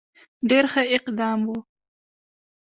ډېر ښه اقدام وو.